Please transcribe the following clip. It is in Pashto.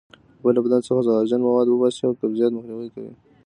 اوبه له بدن څخه زهرجن مواد وباسي او قبضیت مخنیوی کوي